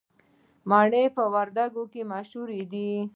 مڼې په وردګو کې مشهورې دي